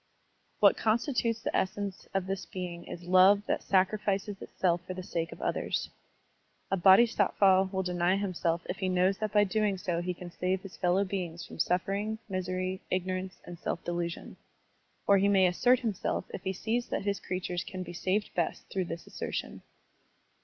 What constitutes the essence of this being is love that sacrifices itself for the sake of others. A Bodhisattva will deny himself if he knows that by so doing he can save his fellow beings from suffering, misery, ignorance, and self delusion. Or he may assert himself if he sees that his crea tures can be saved best through this assertion.